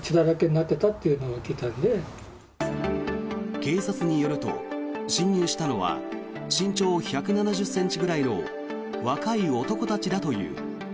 警察によると、侵入したのは身長１７０ｃｍぐらいの若い男たちだという。